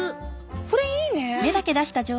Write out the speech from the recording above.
これいいね！